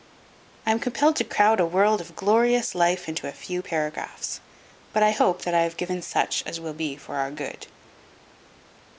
I am compelled to crowd a world of glorious life into a few paragraphs, but I hope that I have given such as will be for our good.